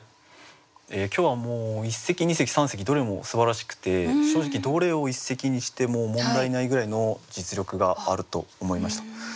今日はもう一席二席三席どれもすばらしくて正直どれを一席にしても問題ないぐらいの実力があると思いました。